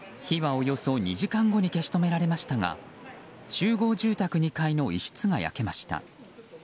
火はおよそ２時間後に消し止められましたが集合住宅２階の一室が焼けました。